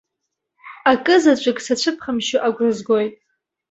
Акызаҵәык сацәыԥхамшьо агәра згоит.